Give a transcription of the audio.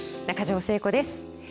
中條誠子です。